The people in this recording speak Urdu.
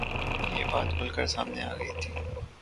یہ بات کُھل کر سامنے آ گئی تھی